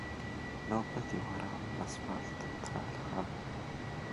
Нобэ ди уэрамым асфалът тралъхьэ.